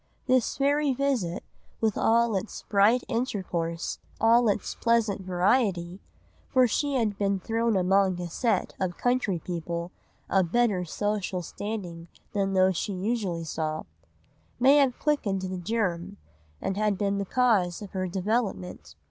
This very visit, with all its bright intercourse, all its pleasant variety,—for she had been thrown among a set of county people of better social standing than those she usually saw,—may have quickened the germ, and been the cause of her development.